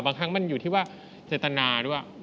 บางครั้งมันอยู่ที่ว่าเจตนาด้วย